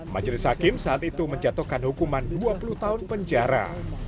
majelis hakim saat itu menjatuhkan hukuman dua puluh tahun penjara